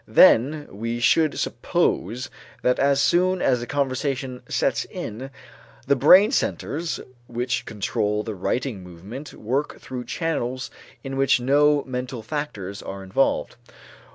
Then we should suppose that as soon as the conversation sets in, the brain centers which control the writing movement work through channels in which no mental factors are involved.